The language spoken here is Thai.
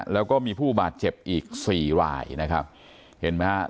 แล้วก็มีผู้บาดเจ็บอีกสี่รายนะครับเห็นไหมฮะ